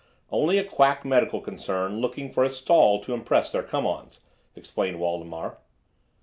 "Only a quack medical concern looking for a stall to impress their come ons," explained Waldemar.